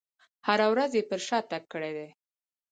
هره ورځ یې پر شا تګ کړی دی.